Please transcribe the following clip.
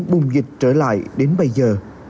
bùng dịch trở lại đến bây giờ